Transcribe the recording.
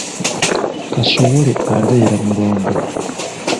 Kasowole abeera mulongo.